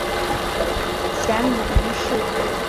前母俞氏。